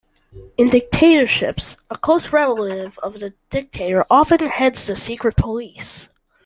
In dictatorships, a close relative of the dictator often heads the secret police.